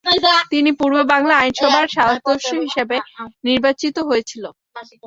তিনি পূর্ব বাংলা আইনসভার সদস্য হিসেবে নির্বাচিত হয়েছিল।